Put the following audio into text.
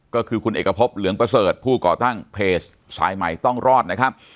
ก็คือคุณเอกพบเหลืองประเสริฐผู้ก่อตั้งเพจสายใหม่ต้องรอดนะครับ